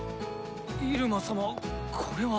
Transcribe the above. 入間様これは。